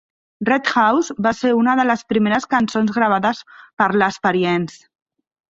"Red House" va ser una de les primeres cançons gravades per l'Experience.